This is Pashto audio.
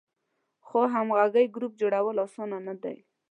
خو همغږی ګروپ جوړول آسانه نه ده.